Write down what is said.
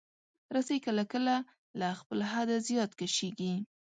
رسۍ کله کله له خپل حده زیات کشېږي.